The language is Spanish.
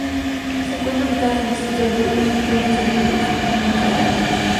Se encuentra ubicada en el distrito de Purús, provincia de Purús en Ucayali.